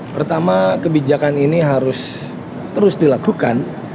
pertama kebijakan ini harus terus dilakukan